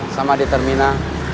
sama di termina